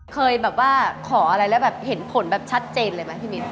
เคยแบบว่าขออะไรแล้วแบบเห็นผลแบบชัดเจนเลยไหมพี่มิ้น